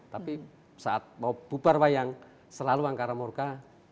tapi saat mau bubar wayang selalu angkara morka